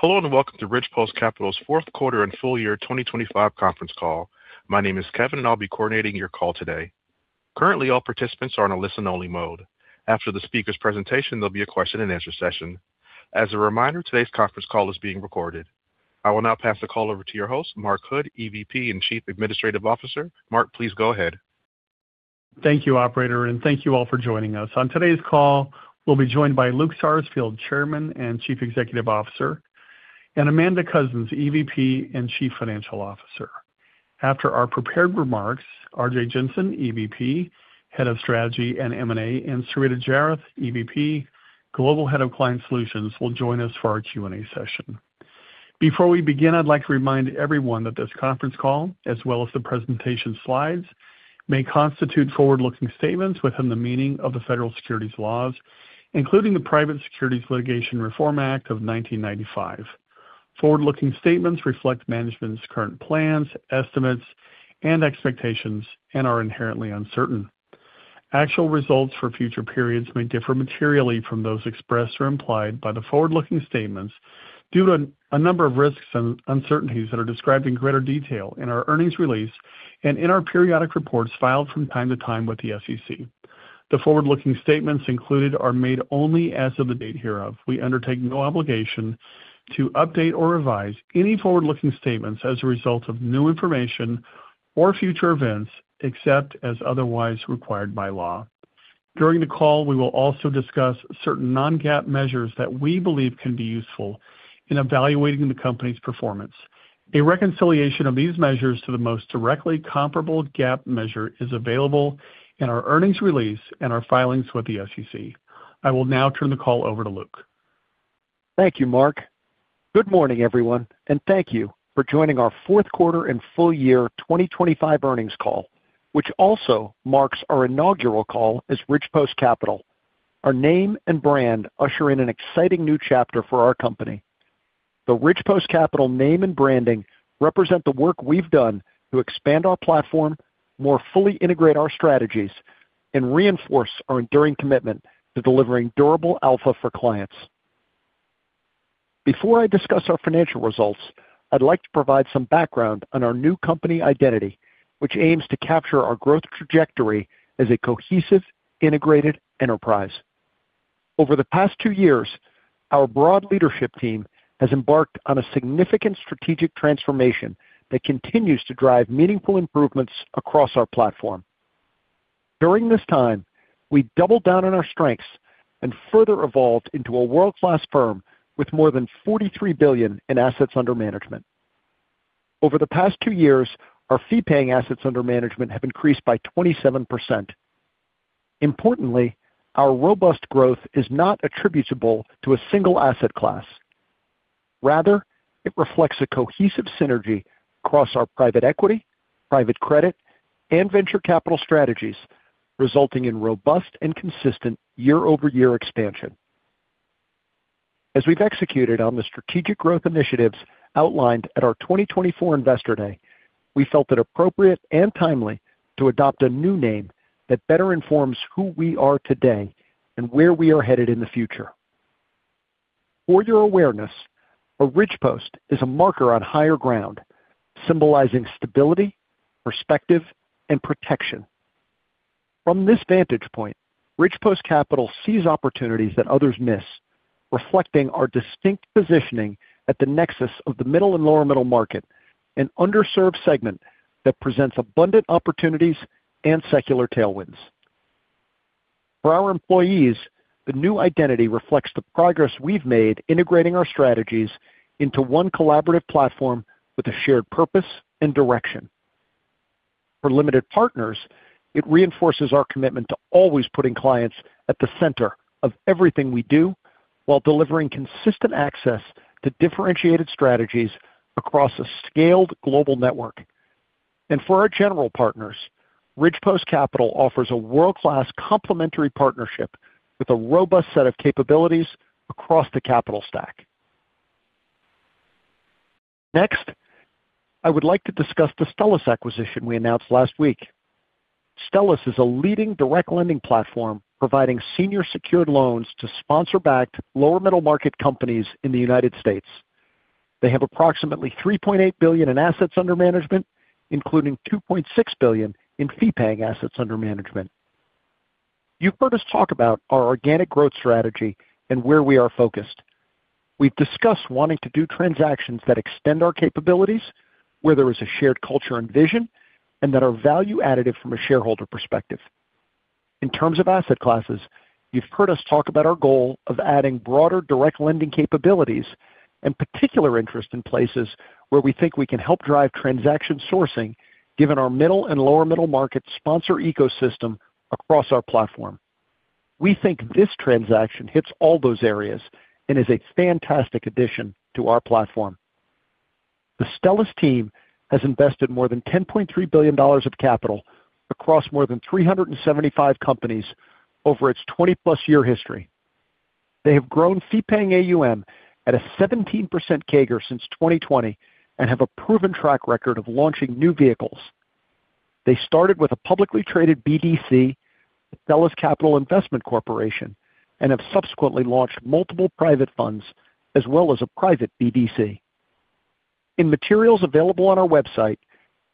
Hello, and welcome to Ridgepost Capital's fourth quarter and full year 2025 conference call. My name is Kevin, and I'll be coordinating your call today. Currently, all participants are on a listen-only mode. After the speaker's presentation, there'll be a question-and-answer session. As a reminder, today's conference call is being recorded. I will now pass the call over to your host, Mark Hood, EVP and Chief Administrative Officer. Mark, please go ahead. Thank you, operator, and thank you all for joining us. On today's call, we'll be joined by Luke Sarsfield, Chairman and Chief Executive Officer, and Amanda Coussens, EVP and Chief Financial Officer. After our prepared remarks, Arjay Jensen, EVP, Head of Strategy and MNA, and Sarita Jairath, EVP, Global Head of Client Solutions, will join us for our Q&A session. Before we begin, I'd like to remind everyone that this conference call, as well as the presentation slides, may constitute forward-looking statements within the meaning of the federal securities laws, including the Private Securities Litigation Reform Act of 1995. Forward-looking statements reflect management's current plans, estimates, and expectations and are inherently uncertain. Actual results for future periods may differ materially from those expressed or implied by the forward-looking statements due to a number of risks and uncertainties that are described in greater detail in our earnings release and in our periodic reports filed from time to time with the SEC. The forward-looking statements included are made only as of the date hereof. We undertake no obligation to update or revise any forward-looking statements as a result of new information or future events, except as otherwise required by law. During the call, we will also discuss certain non-GAAP measures that we believe can be useful in evaluating the company's performance. A reconciliation of these measures to the most directly comparable GAAP measure is available in our earnings release and our filings with the SEC. I will now turn the call over to Luke. Thank you, Mark. Good morning, everyone, and thank you for joining our fourth quarter and full year 2025 earnings call, which also marks our inaugural call as Ridgepost Capital. Our name and brand usher in an exciting new chapter for our company. The Ridgepost Capital name and branding represent the work we've done to expand our platform, more fully integrate our strategies, and reinforce our enduring commitment to delivering durable alpha for clients. Before I discuss our financial results, I'd like to provide some background on our new company identity, which aims to capture our growth trajectory as a cohesive, integrated enterprise. Over the past two years, our broad leadership team has embarked on a significant strategic transformation that continues to drive meaningful improvements across our platform. During this time, we've doubled down on our strengths and further evolved into a world-class firm with more than $43 billion in assets under management. Over the past two years, our fee-paying assets under management have increased by 27%. Importantly, our robust growth is not attributable to a single asset class. Rather, it reflects a cohesive synergy across our private equity, private credit, and venture capital strategies, resulting in robust and consistent year-over-year expansion. As we've executed on the strategic growth initiatives outlined at our 2024 Investor Day, we felt it appropriate and timely to adopt a new name that better informs who we are today and where we are headed in the future. For your awareness, a ridge post is a marker on higher ground, symbolizing stability, perspective, and protection. From this vantage point, Ridgepost Capital sees opportunities that others miss, reflecting our distinct positioning at the nexus of the middle and lower middle market, an underserved segment that presents abundant opportunities and secular tailwinds. For our employees, the new identity reflects the progress we've made integrating our strategies into one collaborative platform with a shared purpose and direction. For limited partners, it reinforces our commitment to always putting clients at the center of everything we do, while delivering consistent access to differentiated strategies across a scaled global network. And for our general partners, Ridgepost Capital offers a world-class complementary partnership with a robust set of capabilities across the capital stack. Next, I would like to discuss the Stellus acquisition we announced last week. Stellus is a leading direct lending platform, providing senior secured loans to sponsor-backed, lower middle-market companies in the United States. They have approximately $3.8 billion in assets under management, including $2.6 billion in fee-paying assets under management. You've heard us talk about our organic growth strategy and where we are focused. We've discussed wanting to do transactions that extend our capabilities, where there is a shared culture and vision, and that are value additive from a shareholder perspective. In terms of asset classes, you've heard us talk about our goal of adding broader direct lending capabilities and particular interest in places where we think we can help drive transaction sourcing, given our middle and lower middle market sponsor ecosystem across our platform. We think this transaction hits all those areas and is a fantastic addition to our platform. The Stellus team has invested more than $10.3 billion of capital across more than 375 companies over its 20+ year history. They have grown fee-paying AUM at a 17% CAGR since 2020 and have a proven track record of launching new vehicles. They started with a publicly traded BDC, Stellus Capital Investment Corporation, and have subsequently launched multiple private funds as well as a private BDC. In materials available on our website,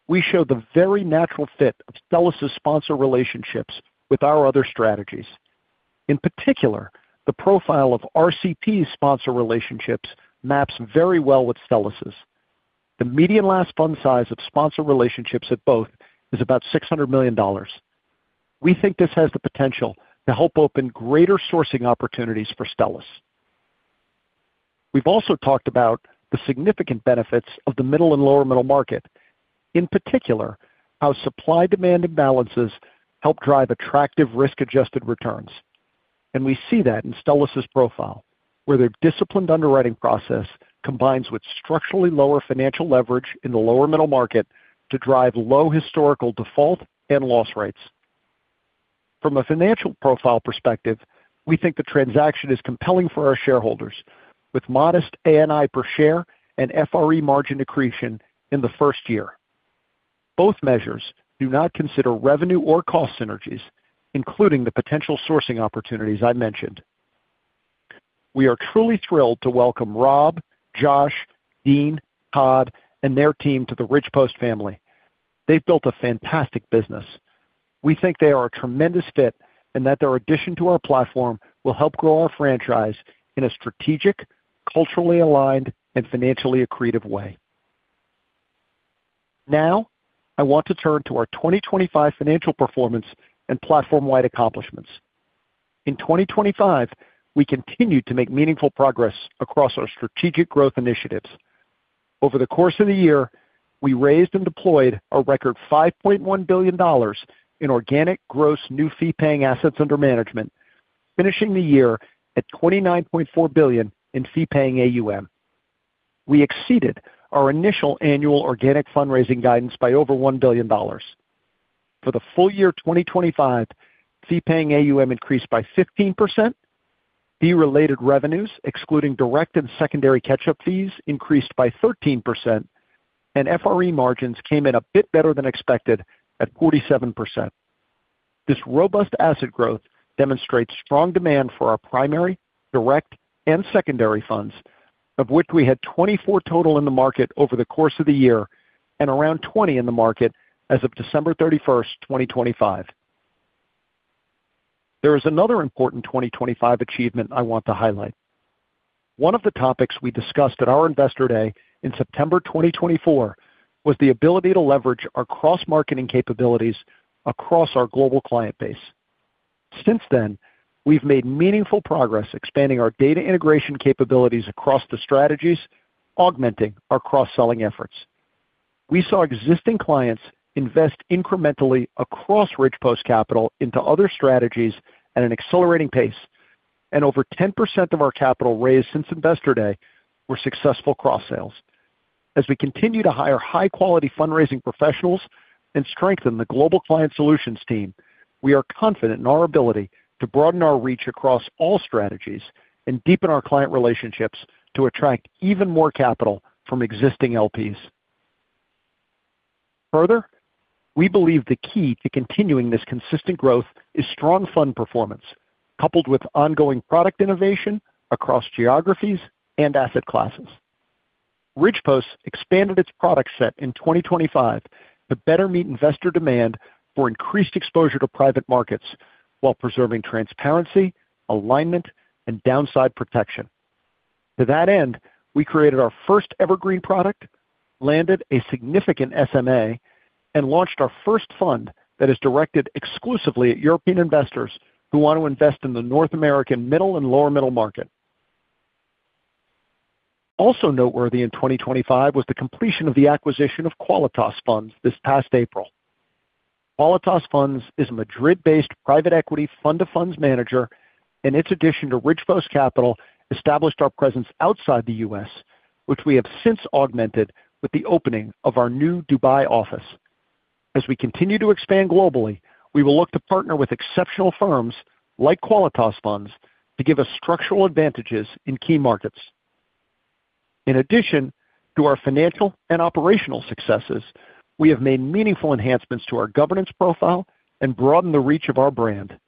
we show the very natural fit of Stellus' sponsor relationships with our other strategies. In particular, the profile of RCP sponsor relationships maps very well with Stellus's. The median last fund size of sponsor relationships at both is about $600 million. We think this has the potential to help open greater sourcing opportunities for Stellus. We've also talked about the significant benefits of the middle and lower middle market, in particular, how supply-demand imbalances help drive attractive risk-adjusted returns. We see that in Stellus' profile, where their disciplined underwriting process combines with structurally lower financial leverage in the lower middle market to drive low historical default and loss rates. From a financial profile perspective, we think the transaction is compelling for our shareholders, with modest ANI per share and FRE margin accretion in the first year. Both measures do not consider revenue or cost synergies, including the potential sourcing opportunities I mentioned. We are truly thrilled to welcome Rob, Josh, Dean, Todd, and their team to the Ridgepost family. They've built a fantastic business. We think they are a tremendous fit, and that their addition to our platform will help grow our franchise in a strategic, culturally aligned, and financially accretive way. Now, I want to turn to our 2025 financial performance and platform-wide accomplishments. In 2025, we continued to make meaningful progress across our strategic growth initiatives. Over the course of the year, we raised and deployed a record $5.1 billion in organic gross new fee-paying assets under management, finishing the year at $29.4 billion in fee-paying AUM. We exceeded our initial annual organic fundraising guidance by over $1 billion. For the full year 2025, fee-paying AUM increased by 15%, fee-related revenues, excluding direct and secondary catch-up fees, increased by 13%, and FRE margins came in a bit better than expected at 47%. This robust asset growth demonstrates strong demand for our primary, direct, and secondary funds, of which we had 24 total in the market over the course of the year and around 20 in the market as of December 31, 2025. There is another important 2025 achievement I want to highlight. One of the topics we discussed at our Investor Day in September 2024, was the ability to leverage our cross-marketing capabilities across our global client base. Since then, we've made meaningful progress expanding our data integration capabilities across the strategies, augmenting our cross-selling efforts. We saw existing clients invest incrementally across Ridgepost Capital into other strategies at an accelerating pace, and over 10% of our capital raised since Investor Day were successful cross-sales. As we continue to hire high-quality fundraising professionals and strengthen the Global Client Solutions team, we are confident in our ability to broaden our reach across all strategies and deepen our client relationships to attract even more capital from existing LPs. Further, we believe the key to continuing this consistent growth is strong fund performance, coupled with ongoing product innovation across geographies and asset classes. Ridgepost expanded its product set in 2025 to better meet investor demand for increased exposure to private markets while preserving transparency, alignment, and downside protection. To that end, we created our first evergreen product, landed a significant SMA, and launched our first fund that is directed exclusively at European investors who want to invest in the North American middle and lower middle market. Also noteworthy in 2025 was the completion of the acquisition of Qualitas Funds this past April. Qualitas Funds is a Madrid-based private equity fund of funds manager, and its addition to Ridgepost Capital established our presence outside the U.S., which we have since augmented with the opening of our new Dubai office. As we continue to expand globally, we will look to partner with exceptional firms like Qualitas Funds to give us structural advantages in key markets. In addition to our financial and operational successes, we have made meaningful enhancements to our governance profile and broadened the reach of our brand.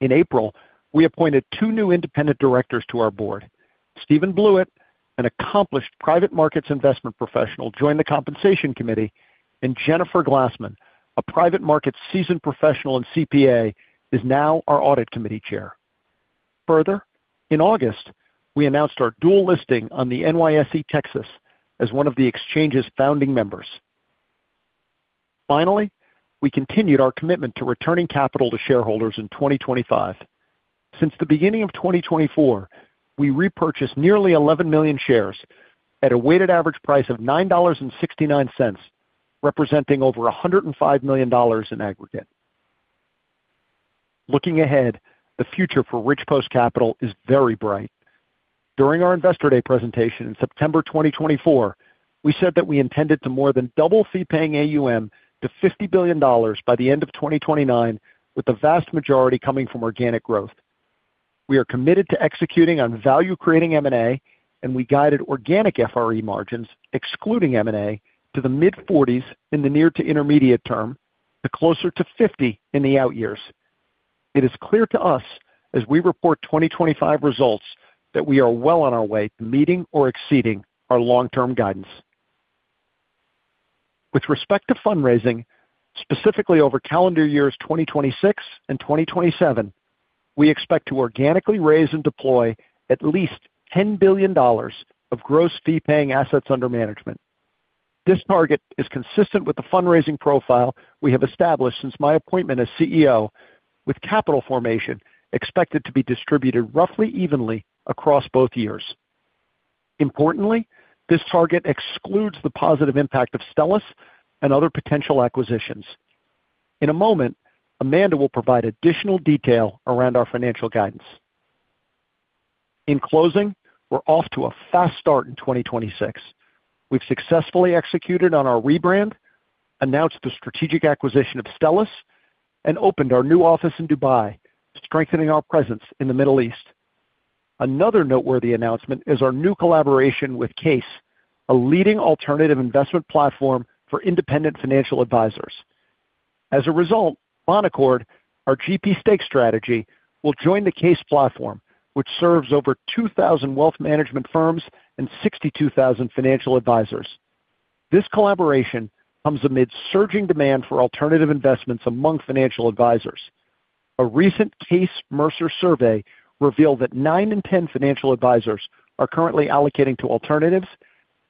In April, we appointed two new independent directors to our board. Steven Blewitt, an accomplished private markets investment professional, joined the Compensation Committee, and Jennifer Glassman, a private markets seasoned professional and CPA, is now our Audit Committee Chair. Further, in August, we announced our dual listing on the NYSE Texas as one of the exchange's founding members. Finally, we continued our commitment to returning capital to shareholders in 2025. Since the beginning of 2024, we repurchased nearly 11 million shares at a weighted average price of $9.69, representing over $105 million in aggregate. Looking ahead, the future for Ridgepost Capital is very bright. During our Investor Day presentation in September 2024, we said that we intended to more than double fee-paying AUM to $50 billion by the end of 2029, with the vast majority coming from organic growth. We are committed to executing on value-creating MNA, and we guided organic FRE margins, excluding MNA, to the mid-40s% in the near to intermediate term, to closer to 50% in the out years. It is clear to us, as we report 2025 results, that we are well on our way to meeting or exceeding our long-term guidance. With respect to fundraising, specifically over calendar years 2026 and 2027, we expect to organically raise and deploy at least $10 billion of gross fee-paying assets under management. This target is consistent with the fundraising profile we have established since my appointment as CEO, with capital formation expected to be distributed roughly evenly across both years. Importantly, this target excludes the positive impact of Stellus and other potential acquisitions. In a moment, Amanda will provide additional detail around our financial guidance. In closing, we're off to a fast start in 2026. We've successfully executed on our rebrand, announced the strategic acquisition of Stellus, and opened our new office in Dubai, strengthening our presence in the Middle East. Another noteworthy announcement is our new collaboration with CAIS, a leading alternative investment platform for independent financial advisors. As a result, Bonaccord, our GP stake strategy, will join the CAIS platform, which serves over 2,000 wealth management firms and 62,000 financial advisors. This collaboration comes amid surging demand for alternative investments among financial advisors. A recent CAIS Mercer survey revealed that nine in ten financial advisors are currently allocating to alternatives,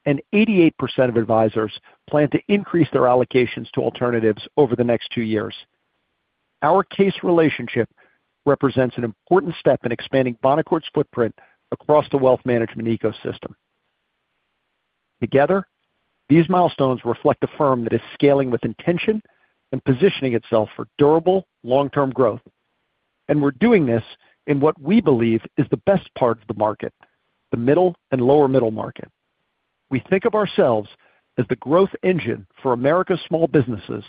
and 88% of advisors plan to increase their allocations to alternatives over the next two years. Our CAIS relationship represents an important step in expanding Bonaccord's footprint across the wealth management ecosystem. Together, these milestones reflect a firm that is scaling with intention and positioning itself for durable, long-term growth, and we're doing this in what we believe is the best part of the market, the middle and lower middle market. We think of ourselves as the growth engine for America's small businesses,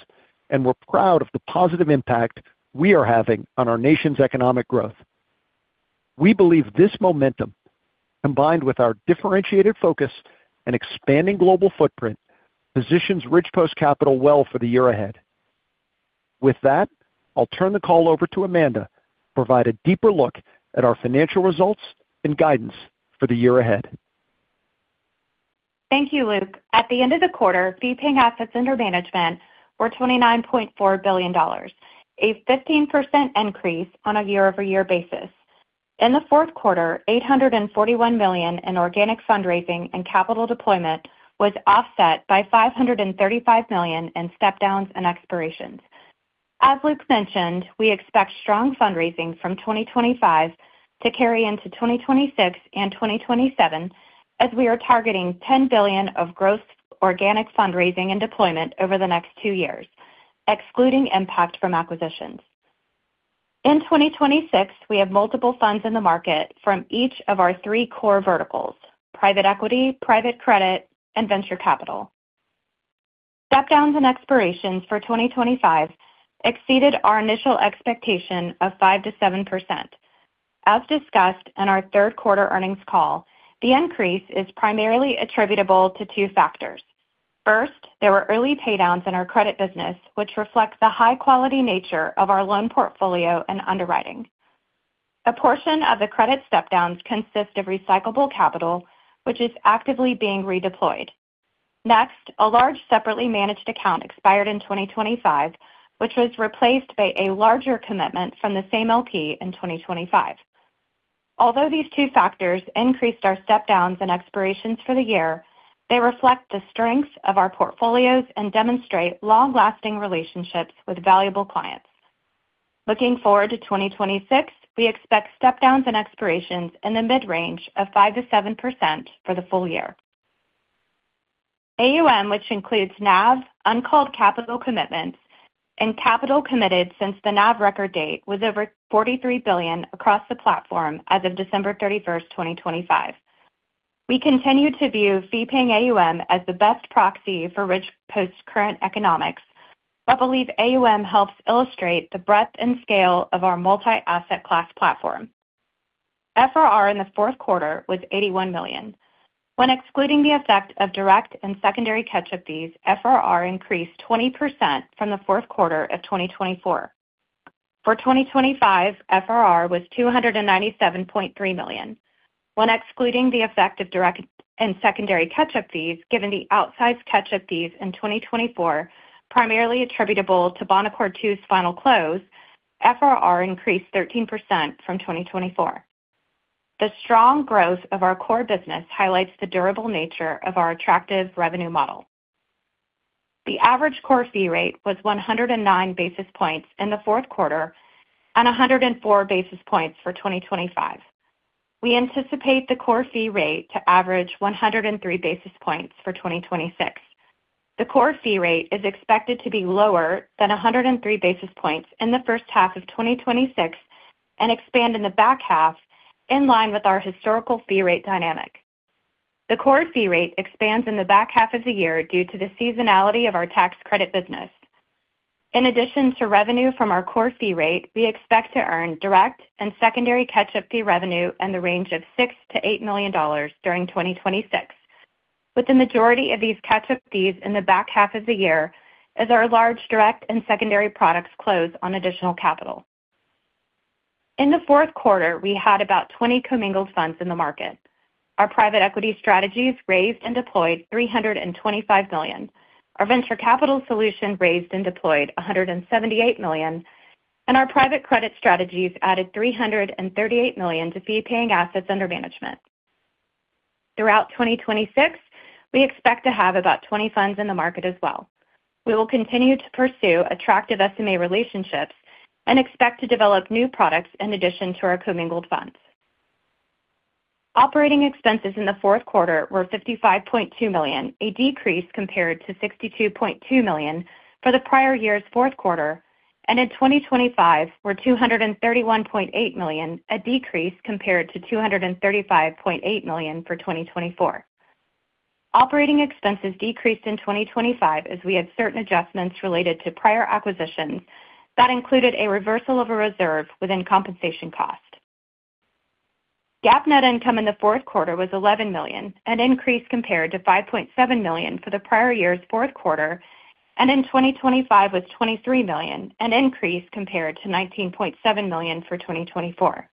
and we're proud of the positive impact we are having on our nation's economic growth. We believe this momentum, combined with our differentiated focus and expanding global footprint, positions Ridgepost Capital well for the year ahead. With that, I'll turn the call over to Amanda to provide a deeper look at our financial results and guidance for the year ahead. Thank you, Luke. At the end of the quarter, fee paying assets under management were $29.4 billion, a 15% increase on a year-over-year basis. In the fourth quarter, $841 million in organic fundraising and capital deployment was offset by $535 million in step downs and expirations. As Luke mentioned, we expect strong fundraising from 2025 to 2026 and 2027, as we are targeting $10 billion of gross organic fundraising and deployment over the next two years, excluding impact from acquisitions. In 2026, we have multiple funds in the market from each of our three core verticals: private equity, private credit, and venture capital. Step downs and expirations for 2025 exceeded our initial expectation of 5%-7%. As discussed on our third quarter earnings call, the increase is primarily attributable to two factors. First, there were early paydowns in our credit business, which reflects the high-quality nature of our loan portfolio and underwriting. A portion of the credit step downs consist of recyclable capital, which is actively being redeployed. Next, a large, separately managed account expired in 2025, which was replaced by a larger commitment from the same LP in 2025. Although these two factors increased our step downs and expirations for the year, they reflect the strength of our portfolios and demonstrate long-lasting relationships with valuable clients. Looking forward to 2026, we expect step downs and expirations in the mid-range of 5%-7% for the full year. AUM, which includes NAV, uncalled capital commitments, and capital committed since the NAV record date, was over $43 billion across the platform as of December 31, 2025. We continue to view fee-paying AUM as the best proxy for Ridgepost's current economics, but believe AUM helps illustrate the breadth and scale of our multi-asset class platform. FRR in the fourth quarter was $81 million. When excluding the effect of direct and secondary catch-up fees, FRR increased 20% from the fourth quarter of 2024. For 2025, FRR was $297.3 million. When excluding the effect of direct and secondary catch-up fees, given the outsized catch-up fees in 2024, primarily attributable to Bonaccord II's final close, FRR increased 13% from 2024. The strong growth of our core business highlights the durable nature of our attractive revenue model. The average core fee rate was 109 basis points in the fourth quarter and 104 basis points for 2025. We anticipate the core fee rate to average 103 basis points for 2026. The core fee rate is expected to be lower than 103 basis points in the first half of 2026 and expand in the back half, in line with our historical fee rate dynamic. The core fee rate expands in the back half of the year due to the seasonality of our tax credit business. In addition to revenue from our core fee rate, we expect to earn direct and secondary catch-up fee revenue in the range of $6 million-$8 million during 2026, with the majority of these catch-up fees in the back half of the year, as our large direct and secondary products close on additional capital. In the fourth quarter, we had about 20 commingled funds in the market. Our private equity strategies raised and deployed $325 million. Our venture capital solution raised and deployed $178 million, and our private credit strategies added $338 million to fee-paying assets under management. Throughout 2026, we expect to have about 20 funds in the market as well. We will continue to pursue attractive SMA relationships and expect to develop new products in addition to our commingled funds. Operating expenses in the fourth quarter were $55.2 million, a decrease compared to $62.2 million for the prior year's fourth quarter, and in 2025, were $231.8 million, a decrease compared to $235.8 million for 2024. Operating expenses decreased in 2025 as we had certain adjustments related to prior acquisitions that included a reversal of a reserve within compensation cost. GAAP net income in the fourth quarter was $11 million, an increase compared to $5.7 million for the prior year's fourth quarter, and in 2025 was $23 million, an increase compared to $19.7 million for 2024.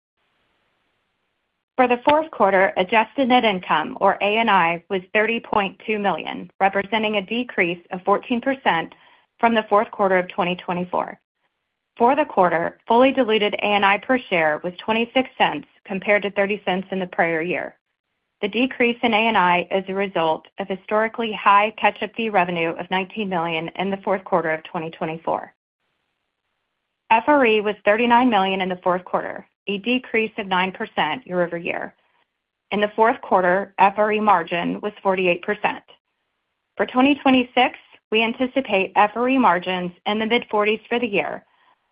For the fourth quarter, adjusted net income, or ANI, was $30.2 million, representing a decrease of 14% from the fourth quarter of 2024. For the quarter, fully diluted ANI per share was $0.26, compared to $0.30 in the prior year. The decrease in ANI is a result of historically high catch-up fee revenue of $19 million in the fourth quarter of 2024. FRE was $39 million in the fourth quarter, a decrease of 9% year-over-year. In the fourth quarter, FRE margin was 48%. For 2026, we anticipate FRE margins in the mid-40s% for the year,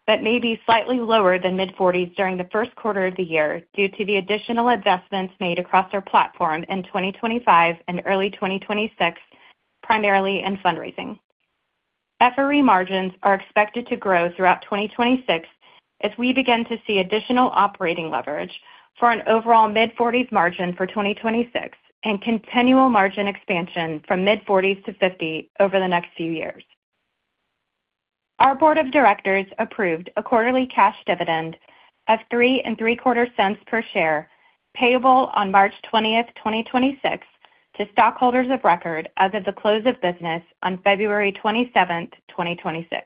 but may be slightly lower than mid-40s% during the first quarter of the year due to the additional investments made across our platform in 2025 and early 2026, primarily in fundraising. FRE margins are expected to grow throughout 2026 as we begin to see additional operating leverage for an overall mid-40s margin for 2026 and continual margin expansion from mid-40s to 50 over the next few years. Our board of directors approved a quarterly cash dividend of $0.0375 per share, payable on March 20, 2026, to stockholders of record as of the close of business on February 27, 2026.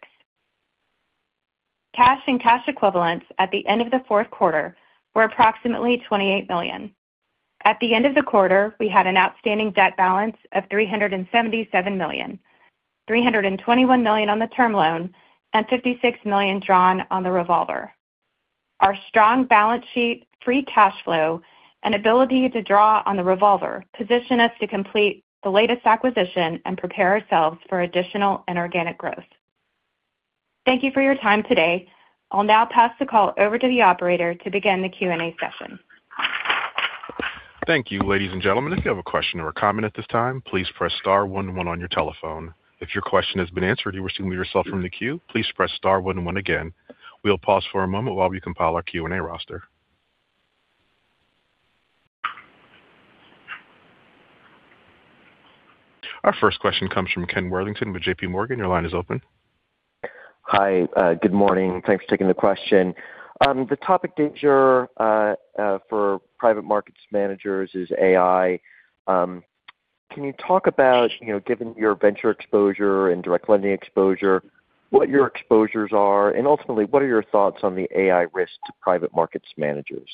Cash and cash equivalents at the end of the fourth quarter were approximately $28 million. At the end of the quarter, we had an outstanding debt balance of $377 million, $321 million on the term loan and $56 million drawn on the revolver. Our strong balance sheet, free cash flow, and ability to draw on the revolver position us to complete the latest acquisition and prepare ourselves for additional and organic growth. Thank you for your time today. I'll now pass the call over to the operator to begin the Q&A session. Thank you. Ladies and gentlemen, if you have a question or a comment at this time, please press star one one on your telephone. If your question has been answered, you wish to remove yourself from the queue, please press star one one again. We'll pause for a moment while we compile our Q&A roster. Our first question comes from Ken Worthington with JPMorgan. Your line is open. Hi, good morning. Thanks for taking the question. The topic du jour for private markets managers is AI. Can you talk about, you know, given your venture exposure and direct lending exposure, what your exposures are, and ultimately, what are your thoughts on the AI risk to private markets managers?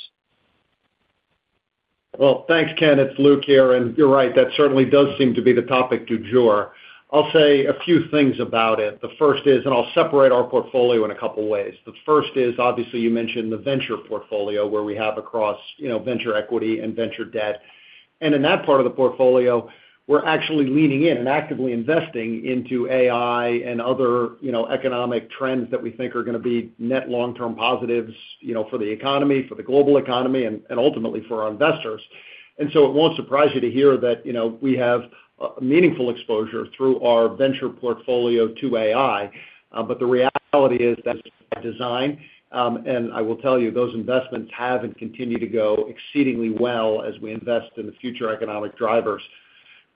Well, thanks, Ken. It's Luke here, and you're right, that certainly does seem to be the topic du jour. I'll say a few things about it. The first is, and I'll separate our portfolio in a couple of ways. The first is, obviously, you mentioned the venture portfolio, where we have across, you know, venture equity and venture debt. And in that part of the portfolio, we're actually leaning in and actively investing into AI and other, you know, economic trends that we think are gonna be net long-term positives, you know, for the economy, for the global economy, and, and ultimately for our investors. And so it won't surprise you to hear that, you know, we have a, a meaningful exposure through our venture portfolio to AI. But the reality is that's design, and I will tell you, those investments have and continue to go exceedingly well as we invest in the future economic drivers.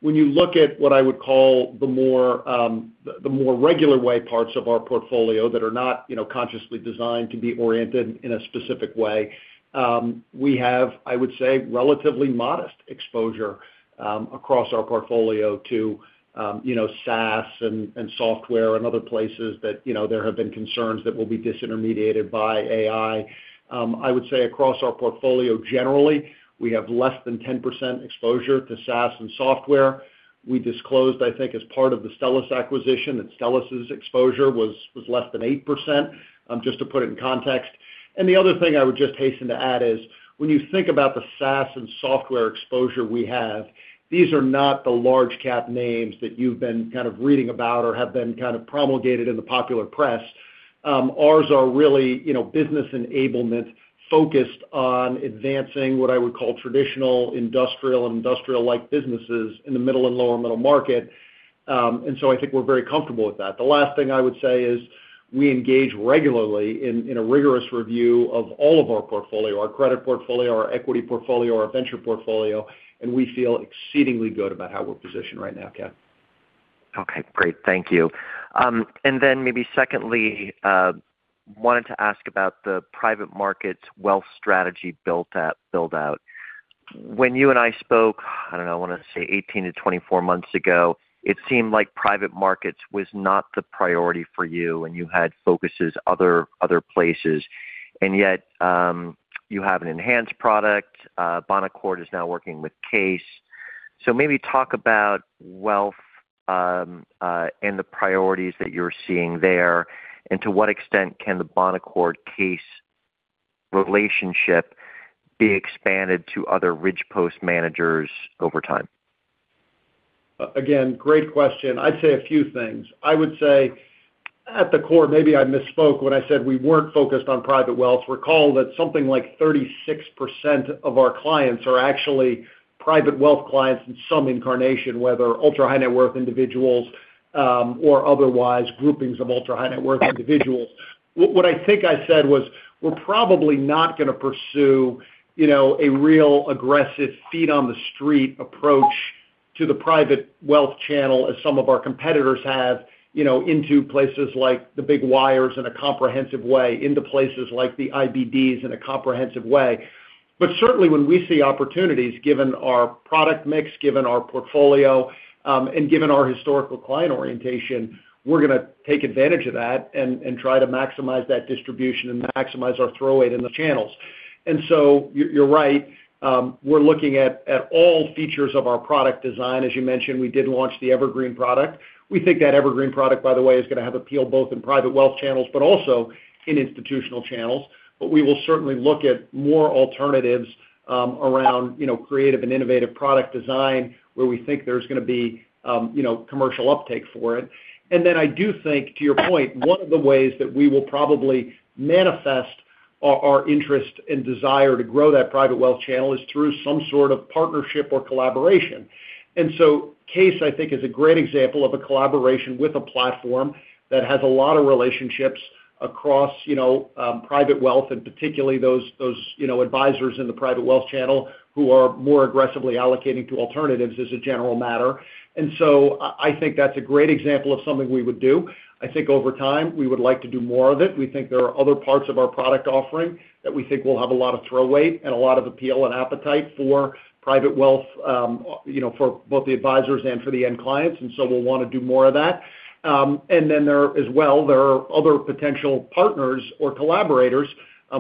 When you look at what I would call the more regular way parts of our portfolio that are not, you know, consciously designed to be oriented in a specific way, we have, I would say, relatively modest exposure across our portfolio to, you know, SaaS and software and other places that, you know, there have been concerns that will be disintermediated by AI. I would say across our portfolio, generally, we have less than 10% exposure to SaaS and software. We disclosed, I think, as part of the Stellus acquisition, that Stellus's exposure was less than 8%, just to put it in context. The other thing I would just hasten to add is, when you think about the SaaS and software exposure we have, these are not the large cap names that you've been kind of reading about or have been kind of promulgated in the popular press. Ours are really, you know, business enablement focused on advancing what I would call traditional industrial and industrial-like businesses in the middle and lower middle market. And so I think we're very comfortable with that. The last thing I would say is, we engage regularly in a rigorous review of all of our portfolio, our credit portfolio, our equity portfolio, our venture portfolio, and we feel exceedingly good about how we're positioned right now, Ken. Okay, great. Thank you. And then maybe secondly, wanted to ask about the private markets wealth strategy build-out. When you and I spoke, I don't know, I want to say 18-24 months ago, it seemed like private markets was not the priority for you, and you had focuses other places. And yet, you have an enhanced product. Bonaccord is now working with CAIS. So maybe talk about wealth and the priorities that you're seeing there, and to what extent can the Bonaccord CAIS relationship be expanded to other Ridgepost managers over time? Again, great question. I'd say a few things. I would say, at the core, maybe I misspoke when I said we weren't focused on private wealth. Recall that something like 36% of our clients are actually private wealth clients in some incarnation, whether ultra-high net worth individuals, or otherwise, groupings of ultra-high net worth individuals. What, what I think I said was, we're probably not going to pursue, you know, a real aggressive feet on the street approach to the private wealth channel, as some of our competitors have, you know, into places like the big wires in a comprehensive way, into places like the IBDs in a comprehensive way. But certainly, when we see opportunities, given our product mix, given our portfolio, and given our historical client orientation, we're going to take advantage of that and try to maximize that distribution and maximize our throw weight in the channels. And so you're right, we're looking at all features of our product design. As you mentioned, we did launch the Evergreen product. We think that Evergreen product, by the way, is going to have appeal both in private wealth channels, but also in institutional channels. But we will certainly look at more alternatives, around, you know, creative and innovative product design, where we think there's going to be, you know, commercial uptake for it. And then I do think, to your point, one of the ways that we will probably manifest our interest and desire to grow that private wealth channel is through some sort of partnership or collaboration. And so CAIS, I think, is a great example of a collaboration with a platform that has a lot of relationships across, you know, private wealth, and particularly those advisors in the private wealth channel who are more aggressively allocating to alternatives as a general matter. And so I think that's a great example of something we would do. I think over time, we would like to do more of it. We think there are other parts of our product offering that we think will have a lot of throw weight and a lot of appeal and appetite for private wealth, you know, for both the advisors and for the end clients, and so we'll want to do more of that. And then there, as well, there are other potential partners or collaborators,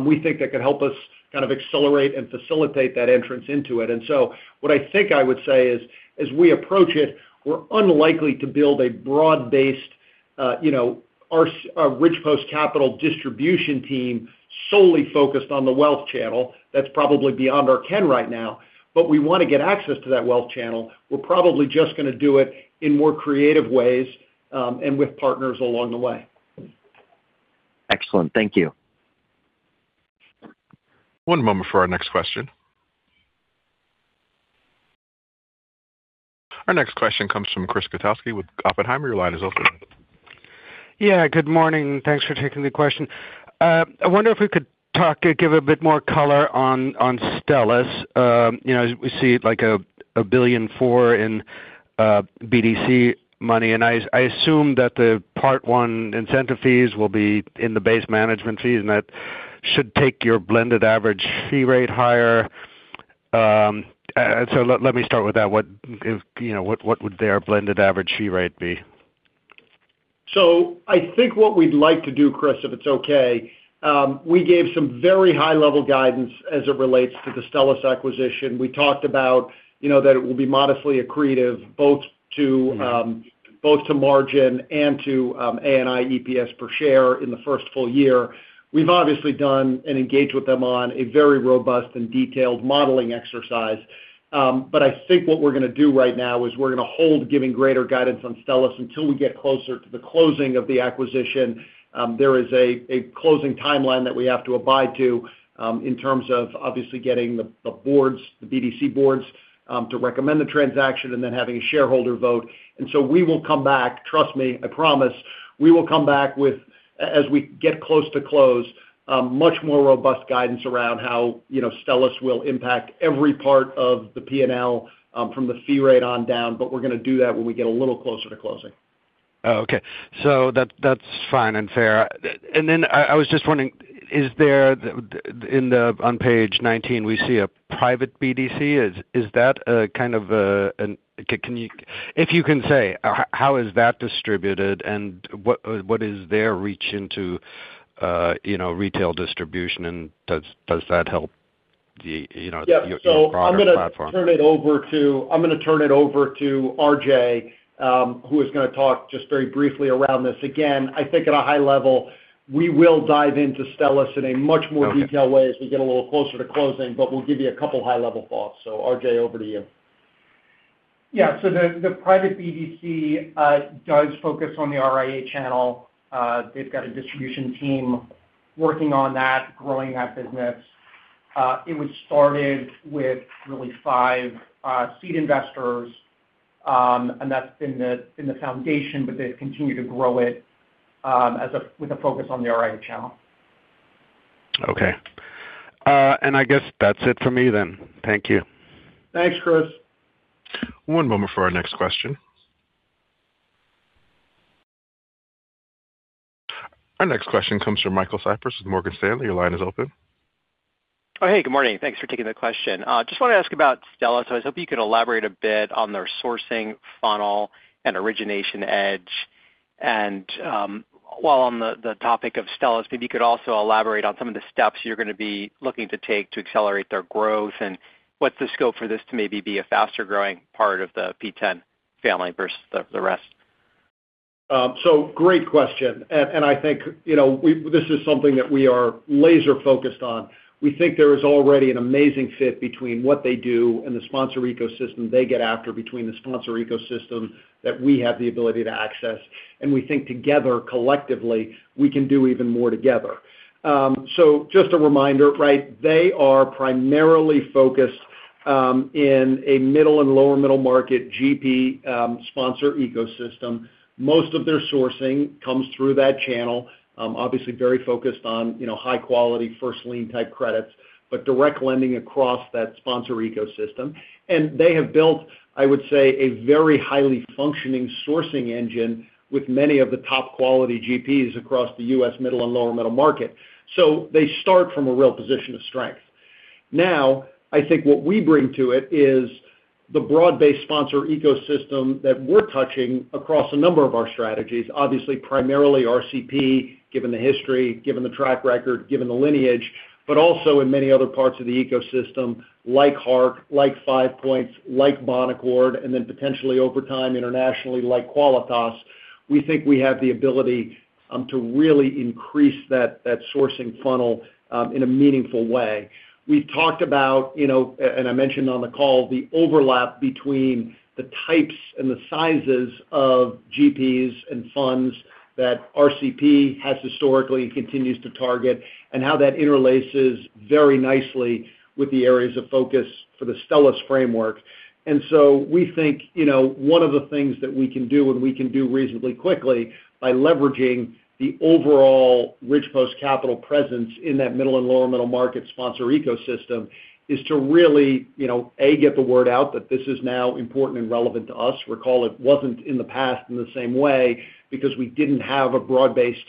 we think that could help us kind of accelerate and facilitate that entrance into it. And so what I think I would say is, as we approach it, we're unlikely to build a broad-based, you know, our Ridgepost Capital distribution team solely focused on the wealth channel. That's probably beyond our ken right now. But we want to get access to that wealth channel. We're probably just going to do it in more creative ways, and with partners along the way. Excellent. Thank you. One moment for our next question. Our next question comes from Chris Kotowski with Oppenheimer. Your line is open. Yeah, good morning. Thanks for taking the question. I wonder if we could talk, give a bit more color on Stellus. You know, we see it like $1.4 billion in BDC money, and I assume that the part one incentive fees will be in the base management fees, and that should take your blended average fee rate higher. So let me start with that. What if, you know, what would their blended average fee rate be? So I think what we'd like to do, Chris, if it's okay, we gave some very high-level guidance as it relates to the Stellus acquisition. We talked about, you know, that it will be modestly accretive, both to, both to margin and to, ANI EPS per share in the first full year. We've obviously done and engaged with them on a very robust and detailed modeling exercise. But I think what we're going to do right now is we're going to hold giving greater guidance on Stellus until we get closer to the closing of the acquisition. There is a, a closing timeline that we have to abide to, in terms of obviously getting the, the boards, the BDC boards, to recommend the transaction and then having a shareholder vote. And so we will come back, trust me, I promise. We will come back with, as we get close to close, much more robust guidance around how, you know, Stellus will impact every part of the P&L, from the fee rate on down, but we're going to do that when we get a little closer to closing. Oh, okay. So that- that's fine and fair. And then I, I was just wondering, is there, the, the—on page 19, we see a private BDC. Is, is that a kind of a, an... Can, can you—If you can say, how is that distributed and what, what is their reach into, you know, retail distribution, and does, does that help the, you know, your product platform? Yeah. So I'm going to turn it over to Arjay, who is going to talk just very briefly around this. Again, I think at a high level, we will dive into Stellus in a much more detailed way- Okay... as we get a little closer to closing, but we'll give you a couple high-level thoughts. So Arjay, over to you.... Yeah, so the private BDC does focus on the RIA channel. They've got a distribution team working on that, growing that business. It was started with really five seed investors, and that's been in the foundation, but they've continued to grow it with a focus on the RIA channel. Okay. And I guess that's it for me then. Thank you. Thanks, Chris. One moment for our next question. Our next question comes from Michael Cyprys with Morgan Stanley. Your line is open. Oh, hey, good morning. Thanks for taking the question. Just wanna ask about Stellus. So I was hoping you could elaborate a bit on their sourcing funnel and origination edge. And while on the topic of Stellus, maybe you could also elaborate on some of the steps you're gonna be looking to take to accelerate their growth, and what's the scope for this to maybe be a faster growing part of the P10 family versus the rest? So, great question, and I think, you know, we, this is something that we are laser focused on. We think there is already an amazing fit between what they do and the sponsor ecosystem they get after, between the sponsor ecosystem that we have the ability to access, and we think together, collectively, we can do even more together. So just a reminder, right? They are primarily focused in a middle and lower middle market GP sponsor ecosystem. Most of their sourcing comes through that channel. Obviously very focused on, you know, high quality, first lien type credits, but direct lending across that sponsor ecosystem. And they have built, I would say, a very highly functioning sourcing engine with many of the top quality GPs across the U.S., middle and lower middle market. So they start from a real position of strength. Now, I think what we bring to it is the broad-based sponsor ecosystem that we're touching across a number of our strategies. Obviously, primarily RCP, given the history, given the track record, given the lineage, but also in many other parts of the ecosystem, like Hark, like Five Points, like Bonaccord, and then potentially over time, internationally, like Qualitas. We think we have the ability to really increase that sourcing funnel in a meaningful way. We talked about, you know, and I mentioned on the call, the overlap between the types and the sizes of GPs and funds that RCP has historically and continues to target, and how that interlaces very nicely with the areas of focus for the Stellus framework. And so we think, you know, one of the things that we can do, and we can do reasonably quickly, by leveraging the overall Ridgepost Capital presence in that middle and lower middle market sponsor ecosystem, is to really, you know, A, get the word out that this is now important and relevant to us. Recall, it wasn't in the past in the same way because we didn't have a broad-based,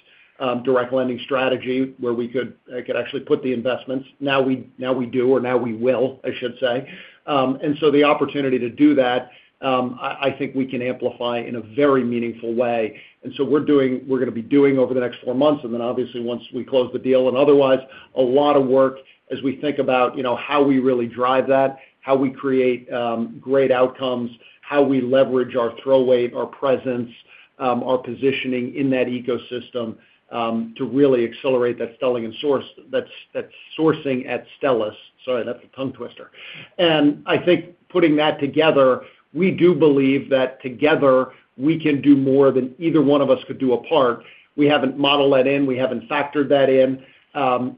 direct lending strategy where we could, could actually put the investments. Now we, now we do, or now we will, I should say. And so the opportunity to do that, I, I think we can amplify in a very meaningful way. And so we're gonna be doing over the next four months, and then obviously once we close the deal and otherwise, a lot of work as we think about, you know, how we really drive that, how we create great outcomes, how we leverage our throw weight, our presence, our positioning in that ecosystem, to really accelerate that selling and source, that's, that's sourcing at Stellus. Sorry, that's a tongue twister. And I think putting that together, we do believe that together, we can do more than either one of us could do apart. We haven't modeled that in, we haven't factored that in,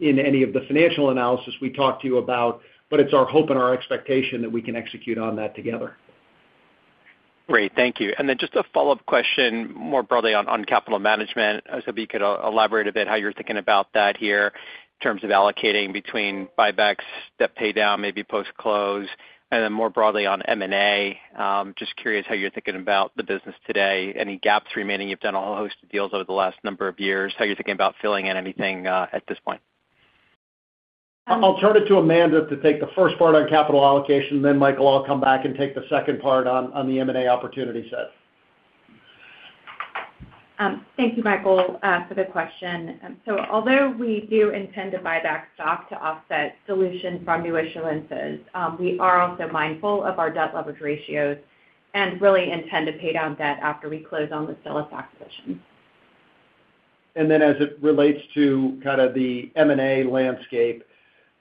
in any of the financial analysis we talked to you about, but it's our hope and our expectation that we can execute on that together. Great. Thank you. And then just a follow-up question, more broadly on capital management. So if you could elaborate a bit how you're thinking about that here, in terms of allocating between buybacks that pay down, maybe post-close, and then more broadly on MNA. Just curious how you're thinking about the business today, any gaps remaining? You've done a whole host of deals over the last number of years. How are you thinking about filling in anything at this point? I'll turn it to Amanda to take the first part on capital allocation, then Michael, I'll come back and take the second part on the MNA opportunity set. Thank you, Michael, for the question. Although we do intend to buy back stock to offset dilution from new issuances, we are also mindful of our debt leverage ratios and really intend to pay down debt after we close on the Stellus acquisition. And then as it relates to kind of the MNA landscape,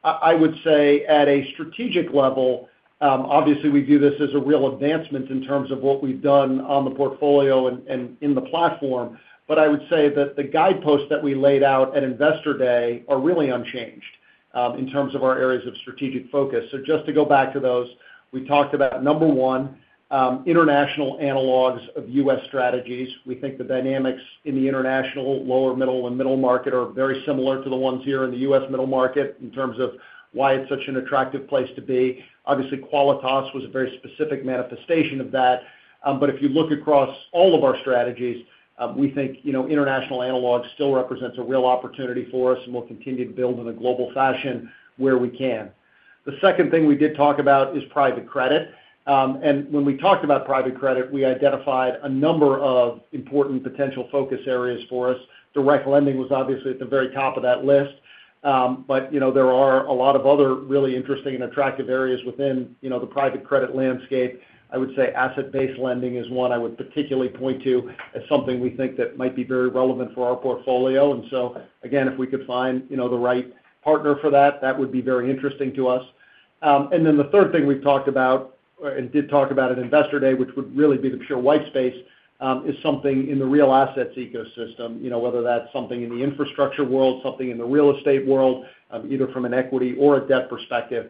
I, I would say at a strategic level, obviously we view this as a real advancement in terms of what we've done on the portfolio and, and in the platform, but I would say that the guideposts that we laid out at Investor Day are really unchanged, in terms of our areas of strategic focus. So just to go back to those, we talked about, number one, international analogs of U.S. strategies. We think the dynamics in the international, lower middle, and middle market are very similar to the ones here in the U.S. middle market, in terms of why it's such an attractive place to be. Obviously, Qualitas was a very specific manifestation of that. But if you look across all of our strategies, we think, you know, international analog still represents a real opportunity for us, and we'll continue to build in a global fashion where we can. The second thing we did talk about is private credit. And when we talked about private credit, we identified a number of important potential focus areas for us. Direct lending was obviously at the very top of that list. But, you know, there are a lot of other really interesting and attractive areas within, you know, the private credit landscape. I would say asset-based lending is one I would particularly point to as something we think that might be very relevant for our portfolio. And so again, if we could find, you know, the right partner for that, that would be very interesting to us. And then the third thing we've talked about, or and did talk about at Investor Day, which would really be the pure white space, is something in the real assets ecosystem. You know, whether that's something in the infrastructure world, something in the real estate world, either from an equity or a debt perspective,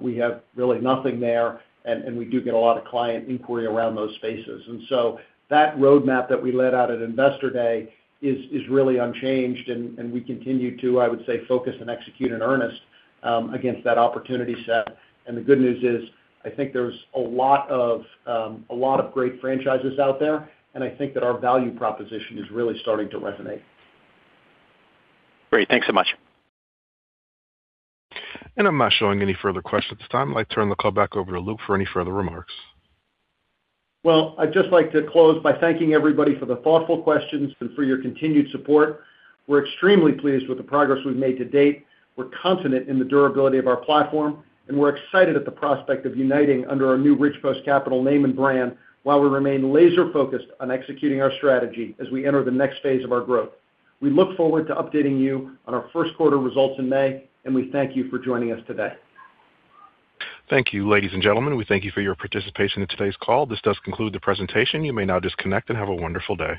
we have really nothing there, and we do get a lot of client inquiry around those spaces. And so that roadmap that we laid out at Investor Day is really unchanged, and we continue to, I would say, focus and execute in earnest against that opportunity set. And the good news is, I think there's a lot of, a lot of great franchises out there, and I think that our value proposition is really starting to resonate. Great. Thanks so much. I'm not showing any further questions at this time. I'd like to turn the call back over to Luke for any further remarks. Well, I'd just like to close by thanking everybody for the thoughtful questions and for your continued support. We're extremely pleased with the progress we've made to date. We're confident in the durability of our platform, and we're excited at the prospect of uniting under our new Ridgepost Capital name and brand, while we remain laser focused on executing our strategy as we enter the next phase of our growth. We look forward to updating you on our first quarter results in May, and we thank you for joining us today. Thank you, ladies and gentlemen. We thank you for your participation in today's call. This does conclude the presentation. You may now disconnect and have a wonderful day.